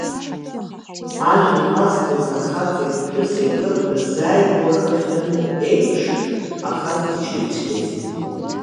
Ажәа еимазкуаз ахаҵеи аԥҳәыси акыр дырзааигәахахьаны еиԥш, ахаҵа иҽирцәгьаӡеит.